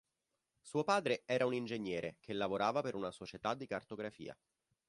Suo padre era un ingegnere che lavorava per una società di cartografia.